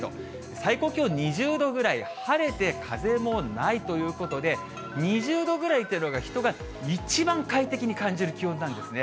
最高気温２０度ぐらい、晴れて風もないということで、２０度ぐらいというのが、人が一番快適に感じる気温なんですね。